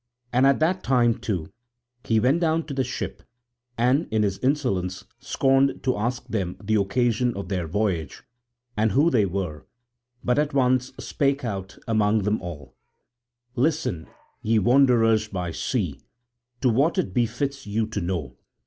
And at that time too he went down to the ship and in his insolence scorned to ask them the occasion of their voyage, and who they were, but at once spake out among them all: "Listen, ye wanderers by sea, to what it befits you to know.